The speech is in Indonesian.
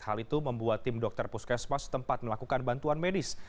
hal itu membuat tim dokter puskesmas tempat melakukan bantuan medis